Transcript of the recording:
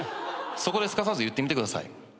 そこですかさず言ってみてください。